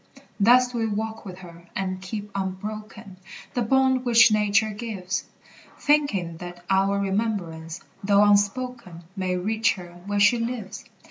Thus do we walk with her, and keep unbroken The bond which nature gives, Thinking that our remembrance, though unspoken, May reach her where she lives.